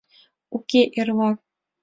— Уке, эрлак!